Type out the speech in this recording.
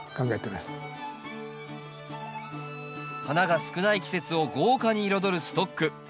花が少ない季節を豪華に彩るストック。